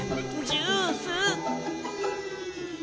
ジュース！